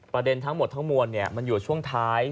ประเด็นทั้งหมดทั้งมวลมันอยู่ช่วงท้าย